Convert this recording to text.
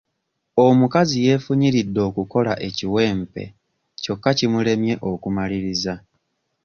Omukazi yeefunyiridde okukola ekiwempe kyokka kimulemye okumalirirza.